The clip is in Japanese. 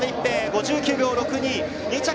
５９秒６２。